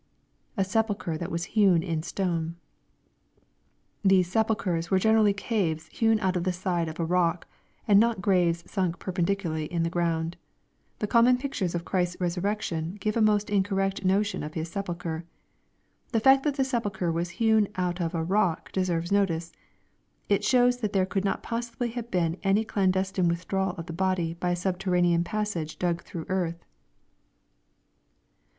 [A sepulchre that was hewn in stone.] These sepulchres were generally caves hewn out of the side of a rock, and not graves sunk perpendicularly in the ground. The common pictures of Christ's resurrection give a most incorrect notion of His sepulchre. The fact that the sepulchre was hewn out of a rock deserves notice. It shows that there could not possibly have been any clandestine withdrawal of the body by a subterraneous passage dug through earth.